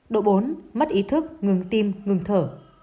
độ bốn mất ý thức ngừng tim ngừng thở